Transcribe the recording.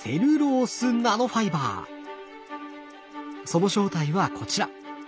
その正体はこちら。